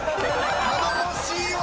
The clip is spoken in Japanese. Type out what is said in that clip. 頼もしいわ。